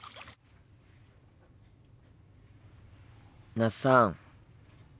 那須さん。